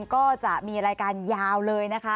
ก็จะมีรายการยาวเลยนะคะ